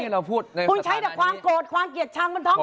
คุณใช้แต่ความโกรธความเกลียดช่างบนท้องถนนเนี่ย